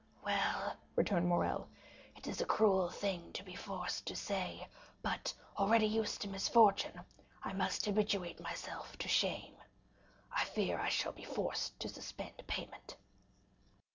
"Well," returned Morrel, "it is a cruel thing to be forced to say, but, already used to misfortune, I must habituate myself to shame. I fear I shall be forced to suspend payment."